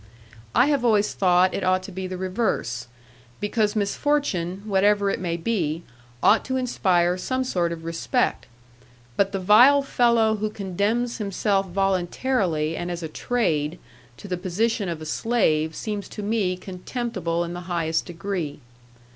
I have always thought it ought to be the reverse, because misfortune, whatever it may be, ought to inspire some sort of respect; but the vile fellow who condemns himself voluntarily and as a trade to the position of a slave seems to me contemptible in the highest degree.